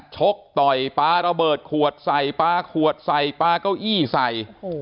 ชกต่อยปลาระเบิดขวดใส่ปลาขวดใส่ปลาเก้าอี้ใส่